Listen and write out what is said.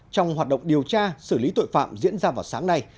trong hoạt động điều tra xử lý tội phạm diễn ra vào sáng nay